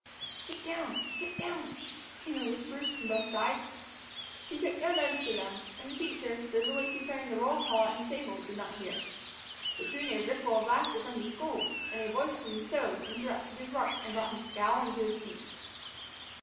"Sit down, sit down!" came in whispers from both sides. She took no notice of them, and the teacher, busily preparing the roll call at his table, did not hear. But soon a ripple of laughter from the school, and a voice from the stove, interrupted his work, and brought him scowling to his feet.